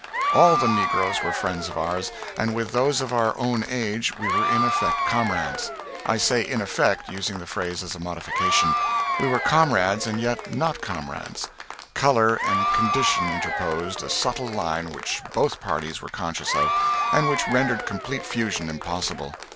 All the negroes were friends of ours, and with those of our own age we were in effect comrades. I say in effect, using the phrase as a modification. We were comrades, and yet not comrades; color and condition interposed a subtle line which both parties were conscious of, and which rendered complete fusion impossible.